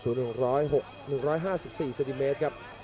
สวัสดีครับ